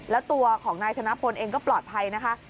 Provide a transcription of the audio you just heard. แล้วตัวของนายธนพลเองก็ปลอดภัยนะคะ